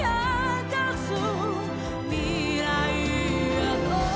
「未来へと」